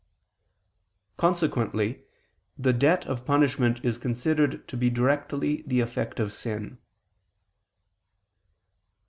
Consequently the debt of punishment is considered to be directly the effect of sin.